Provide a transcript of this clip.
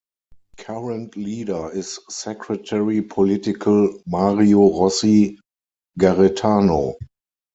Current leader is Secretary Political Mario Rossi Garretano.